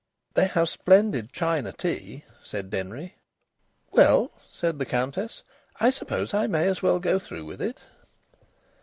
"They have splendid China tea," said Denry. "Well," said the Countess, "I suppose I may as well go through with it."